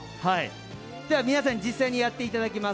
では、皆さんに実際にやっていただきます。